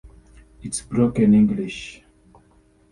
It's broken English.